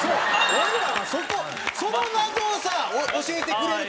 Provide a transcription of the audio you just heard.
俺らはそこその謎をさ教えてくれると思ったら。